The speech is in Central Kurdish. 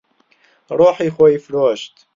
ڕۆحی خۆی فرۆشت.